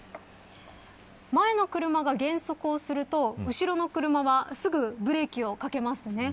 前の車が減速をすると後ろの車はすぐブレーキをかけますね。